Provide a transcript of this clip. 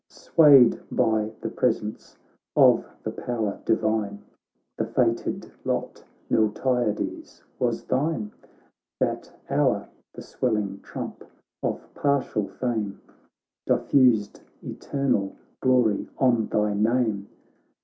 Swayed by the presence of the^ power divine. The fated lot, Miltiades, was thine ! That hour the swelling trump of partial fame Diffused eternal glory on thy name